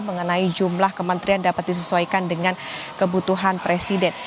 mengenai jumlah kementerian dapat disesuaikan dengan kebutuhan presiden